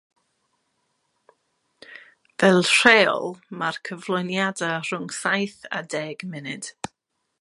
Fel rheol, mae'r cyflwyniadau rhwng saith a deg munud.